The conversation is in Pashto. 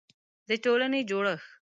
د ټولنې جوړښت